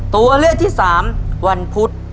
ตัวเลือกที่๓วันพุธ